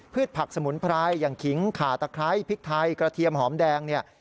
ผักสมุนไพรอย่างขิงขาตะไคร้พริกไทยกระเทียมหอมแดงเนี่ย